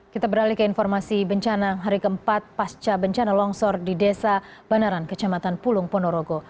kita beralih ke informasi bencana hari keempat pasca bencana longsor di desa banaran kecamatan pulung ponorogo